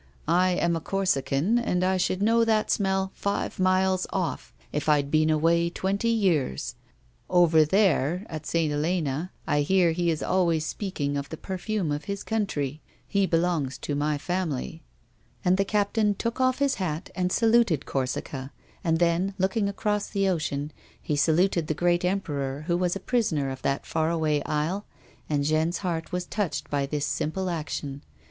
I am a Corsican, and I should know that smell five miles off, if I'd been away twenty years. Over there, at St. Helena, I hear he is always speaking of the perfume of his country ; he belongs to my family." A WOMAN'S LIFE. 65 And the captain took off his hat and saluted Corsica, and then, looking across the ocean, he saluted the great emperor who was a prisoner on that far away isle, and Jeanne's heart was touched by this simple action.